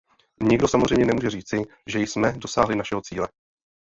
Nikdo samozřejmě nemůže říci, že jsme dosáhli našeho cíle.